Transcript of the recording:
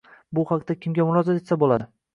Bu haqda kimga murojaat etsa bo‘ladi?